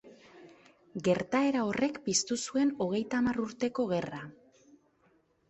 Gertaera horrek piztu zuen Hogeita Hamar Urteko Gerra.